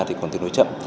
thì còn tương đối chậm